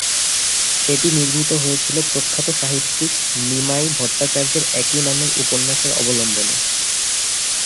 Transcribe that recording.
এটি নির্মিত হয়েছিল প্রখ্যাত সাহিত্যিক নিমাই ভট্টাচার্যের "একই নামের" উপন্যাস অবলম্বনে।